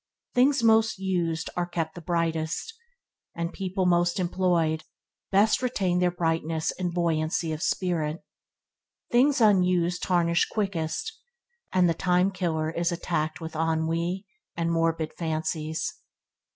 Things most used are kept the brightest, and people most employed best retain their brightness and buoyancy of spirit. Things unused tarnish quickest; and the time killer is attacked with ennui and morbid fancies.